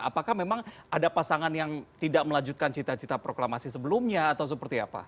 apakah memang ada pasangan yang tidak melanjutkan cita cita proklamasi sebelumnya atau seperti apa